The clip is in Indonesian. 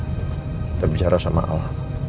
kita bicara sama al